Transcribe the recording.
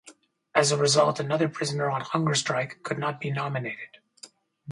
As a result, another prisoner on hunger strike could not be nominated.